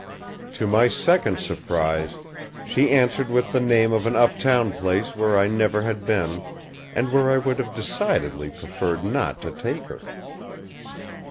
To my second surprise, she answered with the name of an uptown place where I never had been, and where I would have decidedly preferred not to take her.